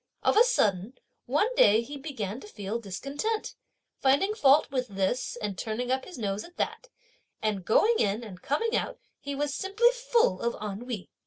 Of a sudden, one day he began to feel discontent, finding fault with this and turning up his nose at that; and going in and coming out he was simply full of ennui.